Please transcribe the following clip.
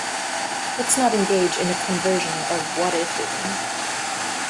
Let's not engage in a conversion of what if-ism.